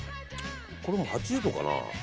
これもう８０度かな？